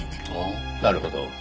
なるほど。